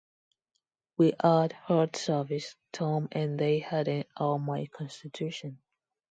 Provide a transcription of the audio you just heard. We had hard service, Tom, and they hadn’t all my constitution.